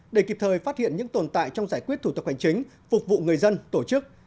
để kịp thời phát hiện những tồn tại trong giải quyết thủ tục hành chính phục vụ người dân tổ chức